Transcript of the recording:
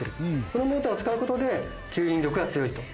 そのモーターを使う事で吸引力が強いと。